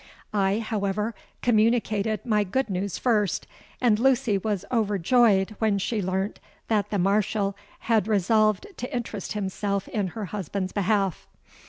I, however, communicated my good news first; and Lucy was overjoyed when she learnt that the Marshal had resolved to interest himself in her husband's behalf.